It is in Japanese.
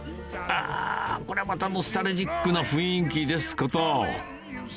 あー、こりゃまたノスタルジックな雰囲気ですこと。